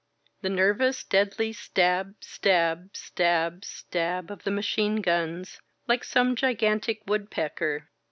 The nervous, deadly stab — stab — stab — stab of the machine guns, like some gigantic woodpecker.